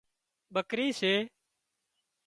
ٻڪرِي سي